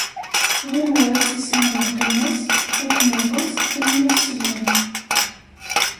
Lemmer ad tissineḍ llqima-s, ad kem-iɣeẓẓ am yir slam.